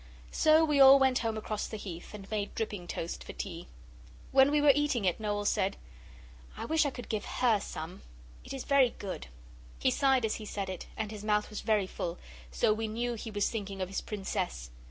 So we all went home across the Heath, and made dripping toast for tea. When we were eating it Noel said, 'I wish I could give her some! It is very good.' He sighed as he said it, and his mouth was very full, so we knew he was thinking of his Princess.